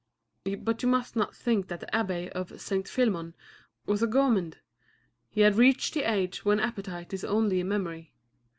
But you must not think that the abbé of St. Philémon was a gourmand. He had reached the age when appetite is only a memory.